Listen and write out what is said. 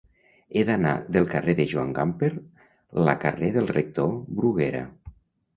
He d'anar del carrer de Joan Gamper la carrer del Rector Bruguera.